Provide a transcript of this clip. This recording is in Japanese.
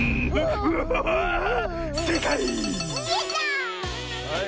せいかい！